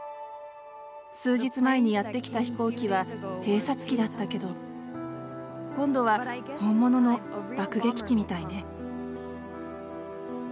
数日前にやって来た飛行機は偵察機だったけど今度は本物の爆撃機みたいね。